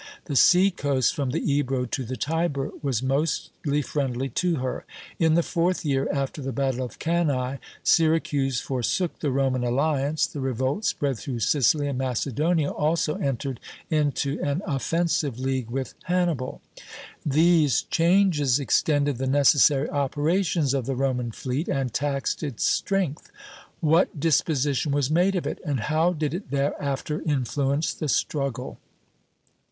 The sea coast from the Ebro to the Tiber was mostly friendly to her. In the fourth year, after the battle of Cannæ, Syracuse forsook the Roman alliance, the revolt spread through Sicily, and Macedonia also entered into an offensive league with Hannibal. These changes extended the necessary operations of the Roman fleet, and taxed its strength. What disposition was made of it, and how did it thereafter influence the struggle?